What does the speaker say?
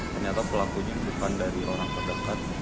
ternyata pelakunya bukan dari orang terdekat